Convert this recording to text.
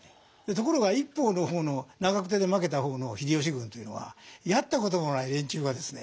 ところが一方の方の長久手で負けた方の秀吉軍というのはやったこともない連中がですね